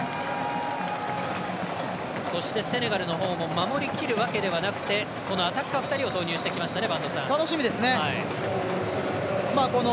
そしてセネガルのほうも守りきるわけではなくてアタッカー２人を投入してきましたね。